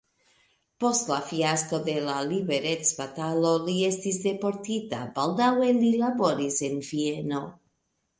Post la fiasko de la liberecbatalo li estis deportita, baldaŭe li laboris en Vieno.